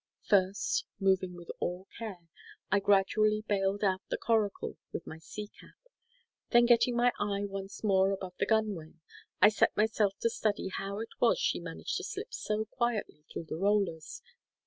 First, moving with all care, I gradually baled out the coracle with my sea cap; then getting my eye once more above the gunwale, I set myself to study how it was she managed to slip so quietly through the rollers.